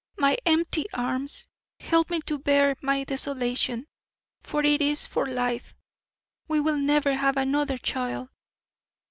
my empty arms! Help me to bear my desolation, for it is for life. We will never have another child.